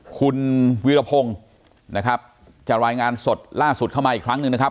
คุณวิรพงศ์นะครับจะรายงานสดล่าสุดเข้ามาอีกครั้งหนึ่งนะครับ